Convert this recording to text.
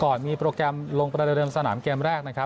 ก่อนมีโปรแกรมลงประเดิมสนามเกมแรก